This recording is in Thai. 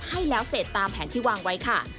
ให้แล้วเสร็จตามแผนที่วางไว้ค่ะ